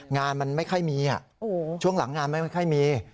งานมันไม่ค่อยมีช่วงหลังงานไม่ค่อยมี